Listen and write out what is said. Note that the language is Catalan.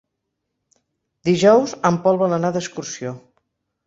Dijous en Pol vol anar d'excursió.